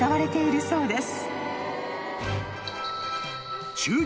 そうですよ。